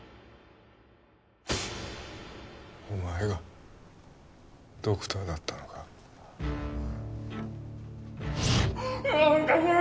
お前がドクターだったのかやめてくれ！